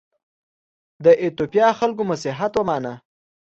د ایتوپیا خلکو مسیحیت ومانه.